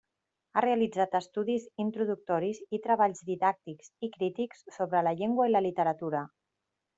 Ha realitzat estudis introductoris i treballs didàctics i crítics sobre la llengua i la literatura.